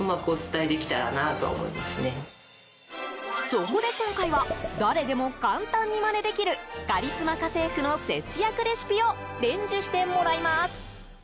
そこで今回は誰でも簡単にまねできるカリスマ家政婦の節約レシピを伝授してもらいます。